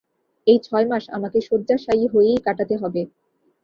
এই ছয় মাস আমাকে শয্যাশায়ী হয়েই কাটাতে হবে।